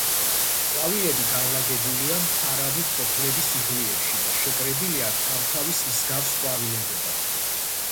ყვავილები განლაგებულია მფარავი ფოთლების იღლიებში და შეკრებილია თავთავის მსგავს ყვავილედებად.